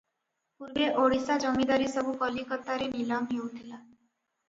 ପୂର୍ବେ ଓଡ଼ିଶା ଜମିଦାରୀ ସବୁ କଲିକତାରେ ନିଲାମ ହେଉଥିଲା ।